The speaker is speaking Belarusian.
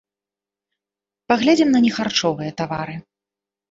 Паглядзім на нехарчовыя тавары.